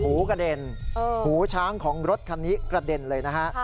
หูกระเด็นหูช้างของรถคันนี้กระเด็นเลยนะฮะ